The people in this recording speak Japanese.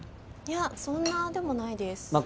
いやそんなでもないです